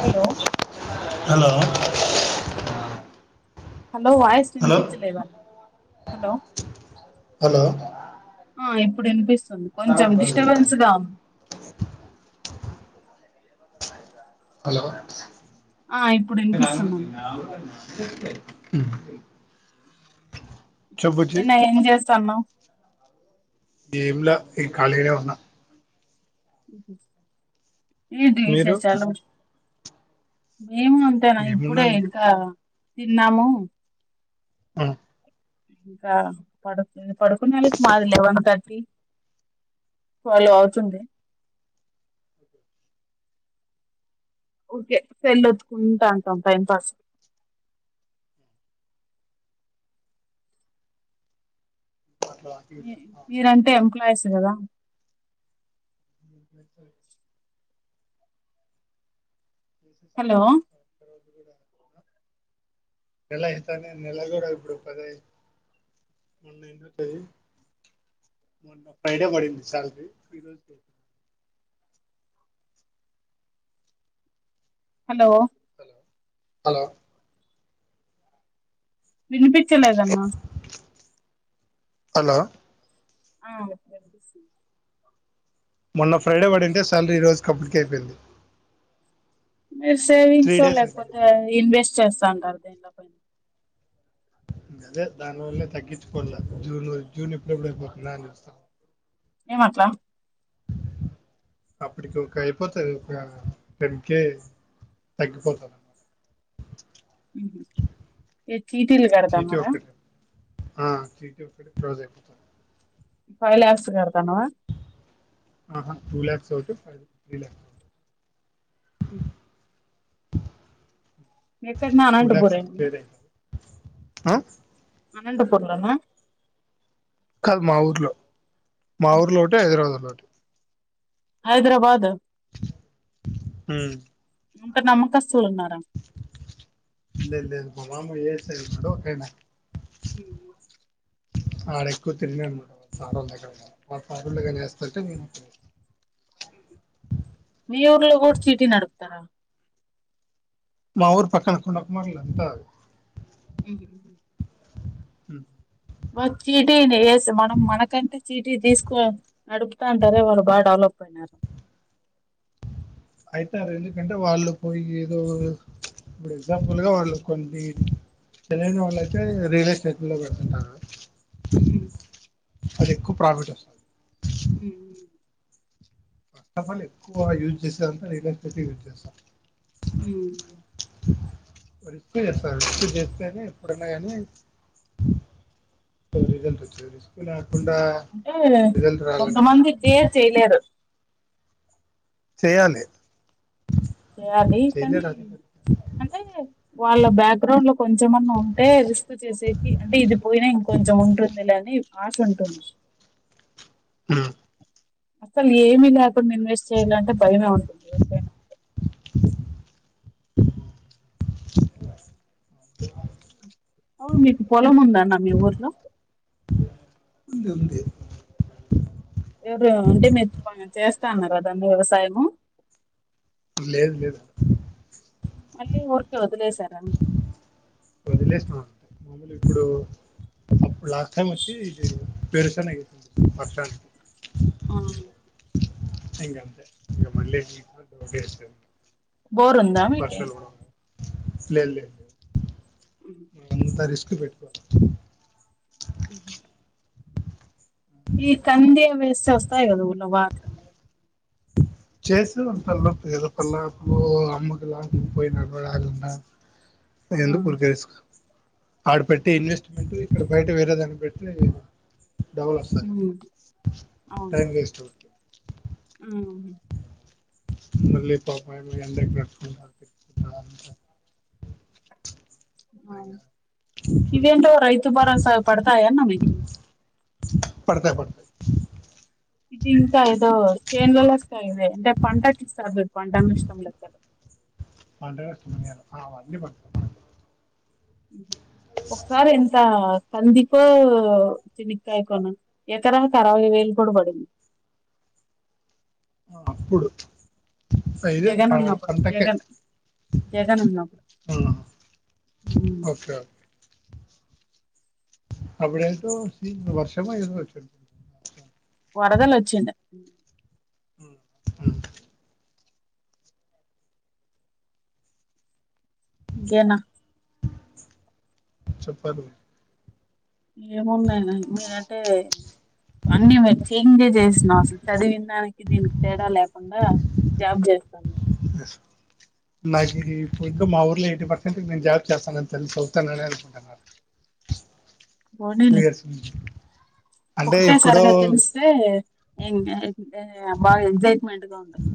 Hello hello hello voice hello వినిపించలేదా! Hello hello ఆ ఇప్పుడు వినిపిస్తుంది కొంచెం డిస్టబెన్స్ గా ఉంది హలో ఆ ఇప్పుడు [inaudible] వినిపిస్తుందమ్మా హ్మ్ ఏన్నా ఏం చేస్తన్నావ్ ఏంలే ఈ ఖాళీగానే ఉన్న హ్మ్ హు.. ఎంటి మీరు ఇషేశలు మేము అంతేనా ఇప్పుడే ఏమున్నా ఇంకా తిన్నాము హ్మ్ ఇంకా పడుకున్ పడుకున్నాది మాది లెవన్ థర్టీ ట్వెల్వ్ అవుతుంది ఓకే సెల్ ఒత్తుకుంటా అంటం టైం పాస్ మీ మీరంటే ఎంప్లాయీస్ కదా [inaudible] ఎంప్లాయి హలో [inaudible] [inaudible] నెల అయితేనే నెల కూడా ఇప్పుడు పదై మొన్నే ఏమంటది మొన్న ఫ్రైడే పడింది శ్యాలరీ ఈరోజు లేదు హలో హలో హలో వినిపించలేదన్న హలో ఆ ఇప్పుడు వినిపిస్తుంది మొన్న ఫ్రైడే పడింటే శ్యాలరీ ఈరోజు కంప్లీట్ ఐపోయింది మీరు సేవింగ్స్ లేకపోతే ఇన్వెస్ట్ చేస్తా అంటారు డబ్బులు అదే దానివల్లే తగ్గించుకోవాల జూన్ వర జూన్ ఎప్పుడెప్పుడు అయిపోతుందా అని చూస్తా ఏమట్లా అప్పటికి ఒక అయిపోతది ఇక టెన్ కె తగ్గిపోతాది [inaudible] హ్మ్ హు ఏ చీట్టిలు చీటీ కడతన్నారా ఒక్కటే ఆ చిట్టి ఒక్కటె క్లోజ్ ఐంది ఫై లక్స్ కడతా ఆహ టూ లక్స్ అవుతే హ్మ్ ఎక్కడన్నా అనంతపురేనా హ అనంతపూర్ లోన కాదు మా ఊర్లో మా మ్మ్. ఊర్లో ఒకటి హైదరాబాద్ లో ఒకటి హైదరాబాద్ ఉ అంతా నమ్మకస్తులు ఉన్నారా లేదు లేదు మా మామ ఏ సైడ్ ఉన్నాడో అక్కడనే కిదువా ఆడు ఎక్కువ తినలేడు మేడమ్ సారోల్ల దగ్గర మా పనులు నేను ఏస్తంటే మేము మీ ఊర్లో కూడా సిటీ నడుపుతారా మా ఊర్ పక్కన కుండా కుమార్ లంక అది ఉహు హు ఉ వాల్ చీటీ నెయస్ మనం మనకంటే సిటీ తీసుకో అన్ నడుపుతా అంటారే వాళ్ళు బాగా డెవలప్ అయినారు అయితే అది ఎందుకంటే వాళ్ళు పోయి ఏదో ఇప్పుడు ఎగ్జాంపుల్ గా వాళ్ళు కోండి చెన్నై వాళ్ళు అయితే రియల్ ఎస్టేట్ లో పెడుతుంటార ఉ అది ఎక్కువ ప్రాఫిట్ వస్తది మ్మ్. ఫస్ట్ ఆఫ్ ఆల్ ఎక్కువ యూజ్ చేసేదంతా ఎలక్ట్రిసిటీ యూజ్ చేస్తాను ఉ వాడు ఇప్పుడే చేస్తాడాటా ఇప్పుడు చేస్తేనే ఎప్పుడన్నా కానీ రిజల్ట్ వచ్చేది రిస్క్లా కుండా అంటే రిజల్ట్ రావాలంటే కష్టం కొంతమంది డేర్ చేయలేరు చేయాలి ఏ అద్ది కానీ చేయలేరు అది అంటే వాళ్ళ బ్యాక్గ్రౌండ్ లో కొంచెం అన్న ఉంటే రిస్క్ చేసేకి అంటే ఇది పోయినా ఇంకో కొంచెం ఉంటుంది లే ఆశ ఉంటుంది అసలు ఏమి లేకుండా ఇన్వెస్ట్ చేయాలి అంటే భయమే ఉంటుంది ఎవరికైనా అవును మీకు పొలం ఉందా అన్న మీ ఊర్లో ఉంది ఉంది ఎవరు అంటే మెచ్చుకో చేస్తా అన్నారు అదన్న వ్యవసాయము లేదు లేదు మల్లి ఊరికే వదిలేసార వదిలేస్తున్నా మాములు ఇప్పుడు అప్పుడు లాస్ట్ టైమ్ వచ్చి ఇది పేరుసాన్ అయ్యింది పక్షానికి హై రా అంతే ఇగ మళ్ళీ షిప్ తోసేసు కోవడం బోర్ ఉందా మీకే లేదు లేదు నేను అంతా రిస్క్ పెట్టుకోను ఉహు అన్నయ్య చేస్ తలనొప్పి కదా పల్లకు అమ్మకులాంటి పోయినా కూడ అది ఉన్నా అ ఆ ఎందుకు ఊరికే రిస్క్ ఆడ పెట్టి ఇన్వెస్ట్మెంట్ ఇక్కడ బయట వేరే దాన్ని పెట్ లే డబల్ వస్తది ఉమ్ టైం వెస్ట్ ఉ అలీ పాప యాన్ ఇగ అందరికి పెట్టుకుంటారు [unintelligible] అవును చూడలేదు ఇవేంటో రైతు భరోస పడతాయా అన్న మీకి పడుతది పడుతది ఇది ఇంకా ఏదో చేన్లల లెక్క అయిందే తరు పంటకి ఇస్తారు పంటను ఇష్టం లేక్కారు పంట పెడుతున్నాం ఇయ్యాల ఆ అన్ని పెడుతున్నాం ఒకసారి ఎంత కందికో చెనిగికాయికొనా ఎకరాకు అరవై వేలు కూడా పడింది అ అప్పుడు ఇదే జగన్ ప- ఉన్నప్పుడు పంటకే జగన్ జగన్ ఉన్నప్పుడు ఆ, ఊ మ్ ఓకే అప్పుడేదో సీజన్ వర్షమో ఏదో వచ్చిండా వరదోలోచిండా అవును ఇంకెన్నా చెప్పాలి మే ఏమున్నాయి మీరంటే అన్ని మ చంజే చేసినాం అసలు చదివిన దానికి దీనికి తేడా లేకుండా జాబ్ చేస్తాను నాకు ఇప్పుడు ఇంకా మా ఊర్లో ఎయిటీ పర్సెంట్ నేను జాబ్ చేస్తానని తెలిసి చదుతానని అనుకుంటున్నారు టూ ఇయర్స్ నుంచి అంటే ఒకటే ఇప్పుడు సారిగా తెలిస్తే ఎంగ ఎంగ బాగా ఎగ్జైట్మెంట్ గా ఉంటుంది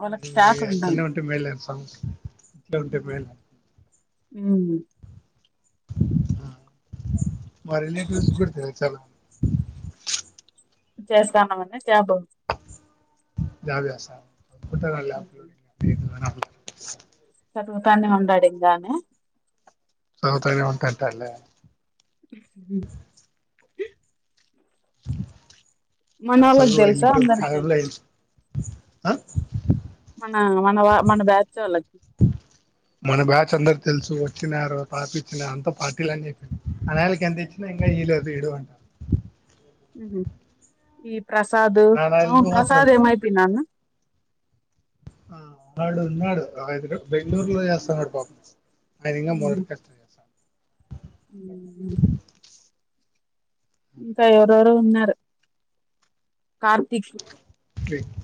వాళ్ళకి మ్ షాక్ ఉంటుంది అట్లనే ఉంటే మేలు లే మే సామి ఇట్లే ఉంటే మేలు మ్ ఆ మా రిలేటివ్స్ గుడ తెల్సల్ల చేస్తానవనా జాబు జాబ్ చేస్తున్నారని అనుకుంటారు వాళ్ళు చదువుతానే ఉండాడు అనా చదువుతానే ఉంటాంటానలే అని నా మనోళ్ళకి సదువు తెలుసా అయిపోయి ఓ అందరికి కాలంలో అ మన మన వా మన బ్యాచ్ వాళ్ళకి మన బ్యాచ్ అందరు తెలుసు వచ్చినారు తాపిచ్చిన అంత పార్టీలు అని చెప్పిరు ఆ నైళ్లకి ఎంత ఇచ్చినా ఇంకా ఇయ్య లేదు ఇడు అంటారు ఉమ్ హు ఈ ప్రసాద్ ఆ అనాయలు మాత్రం ప్రసాద్ ఏమయిపోయినాడు నా ఆ వాడు ఉన్నాడు బెంగళూరులో చేస్తాన్నాడు పాపం అదింగా మొదటి కట్ మ్ ఇంకా ఎవరెవరో ఉన్నారు కార్తిక్ దిక్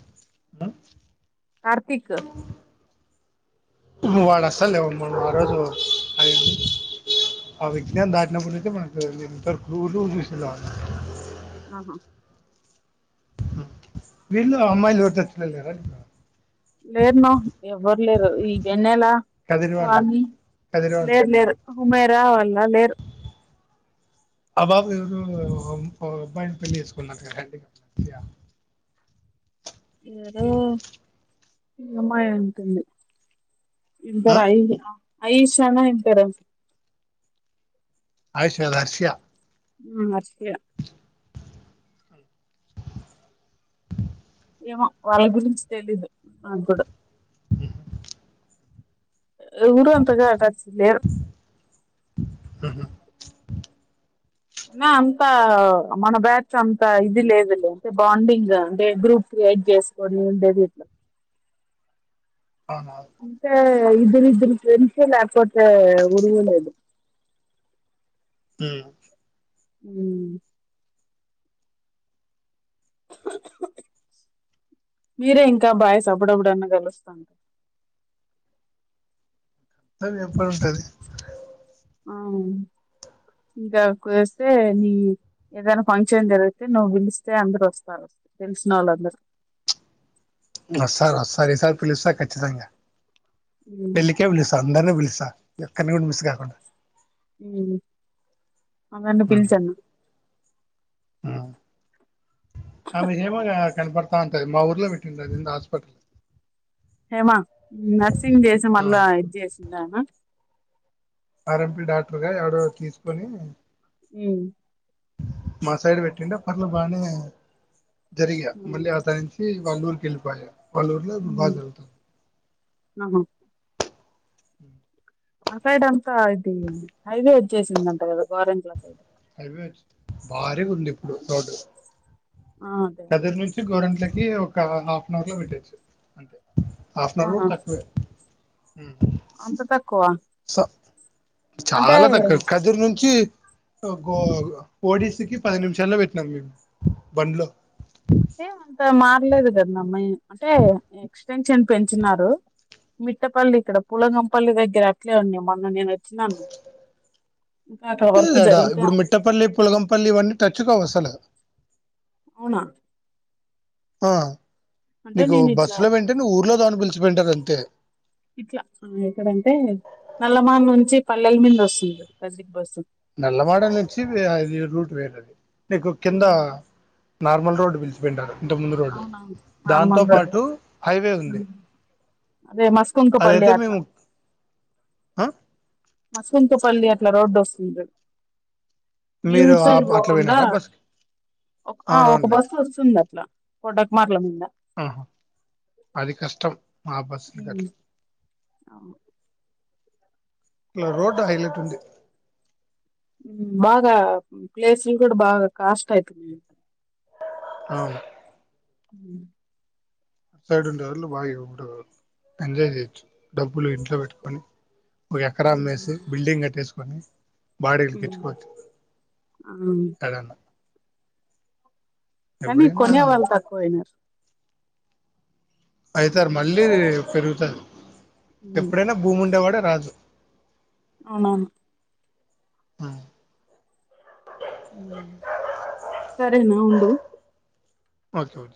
ఆ కార్తిక్ వాడు అస్సలు మనము ఆరోజు ఆ విజ్ఞాం దాటినప్పుడు నుంచి మనకు నేను ఒకతూరి కూడా చూసిండ్ల వాన్ని ఆహా మ్ వీళ్ళు అమ్మాయిలు ఎవరు టచ్ లో లేరా నీకు లేరున ఎవ్వరు లేరు ఈ వెన్నెలా కదిరి వాళ్ళు వాని కదిరి వాళ్ళు లేరు లేరు ఉమెరా వాల లేరు ఆ పాప ఎవరో ఒక అబ్బాయిని పెళ్లి చూసుకొంది కదా అంట కదా హ్యాండిక్యాప్ దివ్య ఏదో ఈ అమ్మాయి అయ్యుంటుంది ఇంటర్ ఆ అయింది ఆయిషా నా ఏం పేరు అయిషా కాదు అర్షియ ఆ మర్చి పోయా ఏమో వాళ్ళ గురించి తెలీదు నాకుడ ఎవరు అంతగా టచ్ లేరు ఉహు మే అంత మన బ్యాచ్ అంత ఇది లేదులే అంటే బాండింగ్ అంటే గ్రూప్ కైట్ చేసుకోని ఉండేది ఇట్లా అవునా ఇద్దరు ఇద్దరు ఫ్రెండ్స్ యే లాప్టాప్ విలువే లేదు హ హ్మ్మ్ మీరే ఇంకా బాయ్స్ అప్పుడప్పుడన్న కలుస్తా ఉం అది ఎప్పుడంట అది అవును ఇంకా కుదిస్తే నీ ఏదైనా ఫంక్షన్ జరిగితే నువ్వు పిలిస్తే అందరు వస్తారు తెలిసనోల్లందరూ వస్తారు వస్తారు ఈ సారి పిలుస్త కచ్చితంగా ఉమ్ పెళ్ళికే పిలుస్త అందరినీ పిలుస్త ఒకరిని కూడా మిస్ కాకుండా ఆ అందరినీ ఉమ్ పిలిచన్న ఉమ్ ఆమె హేమా కనపడతా ఉంటది మా ఊర్లో పెట్టింది అది ఏందో హాస్పిటల్ హేమా నర్సింగ్ చేసి మళ్ళా ఉమ్ ఇది చేసిందానా ఆ ర్ ఎంపీ డాక్టర్గా ఎవరో తీసుకొని ఉ మా సైడ్ పెట్టిండే పర్లు బాగానే జరిగా మళ్ళీ ఉమ్ ఆతనించి వాళ్ళ ఊరికి వెళ్లిపోయ వాళ్ల ఊరిలో బాగ జరుగుతుంది ఆ ఆ సైడ్ అంతా ఇది హైవే వచేసిందంట కదా గోరంట్ల సైడ్ హైవే వ భారీగా ఉంది ఇప్పుడు రోడ్డు ఆ అదే అదే కదిరి నుంచి గోరెంట్లకి కి ఒక హాఫ్ అన్ అవర్ లో పెట్టచ్చు అంటే హాఫ్ అన్ అవర్ అవునా కూడా తక్కువే అంత తక్కువ స అంటే చాలా తక్కవ కదిరి నుంచి గో ఓడిసీకి పది నిమిషాల్లో పెట్టినాం మేము బండ్లో అంటే అంత మారలేదు కద అమ్మాయి అంటే ఎక్స్టెన్షన్ పెంచినారు మిట్టపల్లి ఇక్కడ పులంగంపల్లి దగ్గర అట్లే ఉండి మొన్న నేను వచ్చినాను ఇంకా అక్కడ వర్క్ లేడా జరుగుతా ఇప్పుడు ఉంది మిట్టపల్లి పులగంపల్లి ఇవన్నీ టచ్చుకావు అసలు అవునా ఆ అంటే నీకు నేను ఇట్లా బస్సులో వెంటేనే ఊర్లో దాన పిలుచుకపోయింటది అంతే ఇట్లా ఎక్కడంటే నల్లమాన్ నుంచి పల్లెల మీద వస్తుంది కదిరి బస్సు నల్లమాడ నుంచి అది రూట్ వేరది నీకు కింద నార్మల్ రోడ్డు పిలిచిపోయింటారు ఇంతముందు రోడ్డు అవునవును దాంతో నార్మల్ రోడ్డు పాటు హైవే ఉంది అదే అదైతే మస్కుంకపల్లిఅట్లా మేము ఆ మసూతోపల్లి అట్లా రోడ్డు వస్తుంది మీరు ఆ అట్లా మ్యూట్స్డ్పోకుందా పోయినారా బస్ ఒక ఆ ఒక అవునవునులే బస్సు వస్తుంది అట్లా కోడాకుమార్ల మీద ఆహా అది కష్టం మా బస్సులు ఉమ్. గట్లు అవును ఇలా రోడ్ హైలైట్ ఉంది బాగా ప్లేస్లు కూడా బాగా కాస్ట్ అయితుది అవును ఉ ఆ సైడ్ ఉండే రోజులు బాగా ఇప్పుడు ఎంజాయ్ చేయొచ్చు డబ్బులు ఇంట్లో పెట్టుకొని ఒక ఎకరా అమ్మేసి బిల్డింగ్ కట్టేసుకొని బాడిలుకి తెచ్చుకోవచ్చు కదా కానీ కొనే వాళ్ళు తక్కువయినారు అయితారు మళ్ళీ పెరుగుతారు ఎప్పుడైనా భూమి ఉండేవాడు రాజు అవునా ఉమ్ సరేనా ఉండు ఓకే ఓకే